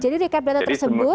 jadi di kabinet tersebut